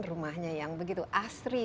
rumahnya yang begitu asri